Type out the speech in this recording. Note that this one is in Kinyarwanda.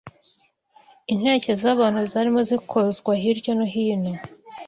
Intekerezo z’abantu zarimo zikozwa hirya no hino